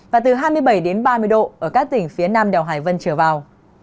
và từ hai mươi bảy đến ba mươi độ ở các tỉnh phía nam đèo hải vân trở vào